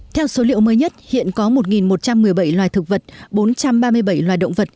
theo số liệu mới nhất hiện có một một trăm một mươi bảy loài thực vật bốn trăm ba mươi bảy loài động vật